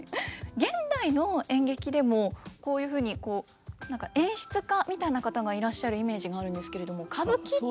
現代の演劇でもこういうふうに何か演出家みたいな方がいらっしゃるイメージがあるんですけれども歌舞伎って。